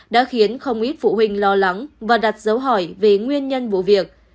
đã khiến không ít phụ huynh lo lắng và đặt dấu hỏi về nguyên nhân vụ việc